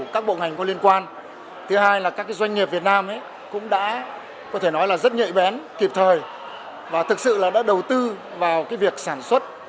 các doanh nghiệp việt nam cũng đã rất nhợi bén kịp thời và thực sự đã đầu tư vào việc sản xuất